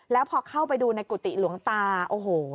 แล้วพอเข้าไปดูในกุฏิหลวงตาโอ้โห